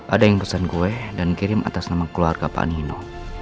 ada yang pesan kue dan kirim atas nama keluarga pak nino